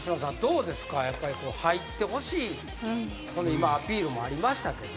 今アピールもありましたけど。